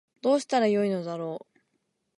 どうしたら良いのだろう